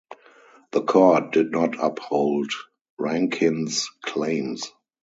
The court did not uphold Rankin's claims.